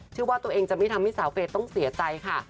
ว่าตัวเองจะไม่ทำให้สาวเฟย์ต้องเสียใจค่ะ